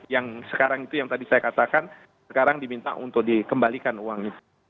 yang sekarang itu yang tadi saya katakan sekarang diminta untuk dikembalikan uang itu